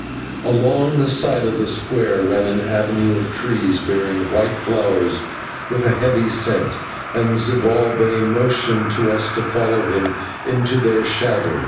Along the side of the square ran an avenue of trees bearing white flowers with a heavy scent, and Zibalbay motioned to us to follow him into their shadow.